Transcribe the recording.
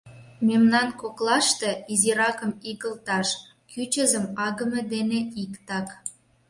Мемнан коклаште изиракым игылташ — кӱчызым агыме дене иктак.